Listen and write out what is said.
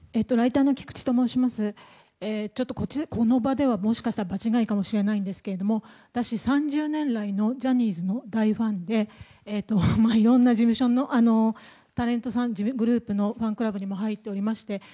ちょっと、この場ではもしかしたら場違いかもしれないんですけれども私は３０年来のジャニーズの大ファンでいろんな事務所のタレントさんグループのファンクラブにも入っておりまして。